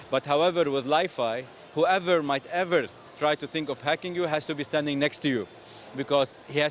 namun dengan li fi siapa pun yang berusaha untuk menghack anda harus berdiri di sebelah anda